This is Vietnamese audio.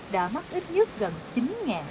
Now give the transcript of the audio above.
đã mất ít nhất gần chín triệu đồng